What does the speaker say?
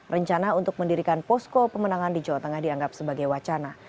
rencana untuk mendirikan posko pemenangan di jawa tengah dianggap sebagai wacana